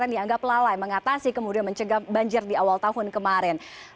yang dianggap lalai mengatasi kemudian mencegah banjir di awal tahun kemarin